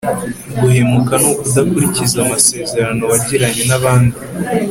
guhemuka ni ukudakurikiza amasezerano wagiranye n'abandi